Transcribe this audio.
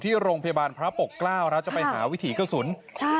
ที่โรงพยาบาลพระปกเกล้าแล้วจะไปหาวิถีกระสุน